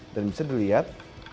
dan bisa dilihat